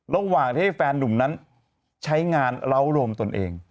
ระหว่างที่แฟนหนุ่มนั้นใช้งานเล้ารวมตนเอง